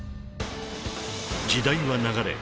時代は流れ